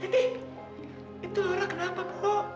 tapi itu laura kenapa bu